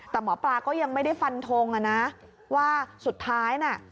แต่หมอปลาก็ยังไม่ได้ฟันทงอ่ะนะว่าสุดท้ายน่ะ